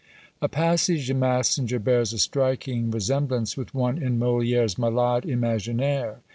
A passage in Massinger bears a striking resemblance with one in MoliÃẀre's "Malade Imaginaire."